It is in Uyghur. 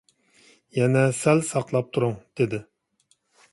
«يەنە سەل ساقلاپ تۇرۇڭ» دېدى.